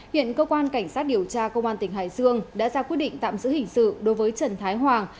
hiện cơ quan cảnh sát điều tra công an tỉnh hải dương đã ra quyết định tạm giữ hình sự đối với trần thái hoàng